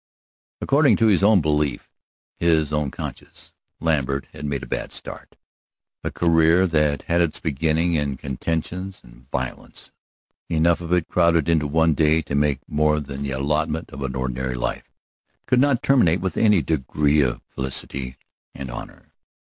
According to his own belief, his own conscience, Lambert had made a bad start. A career that had its beginning in contentions and violence, enough of it crowded into one day to make more than the allotment of an ordinary life, could not terminate with any degree of felicity and honor.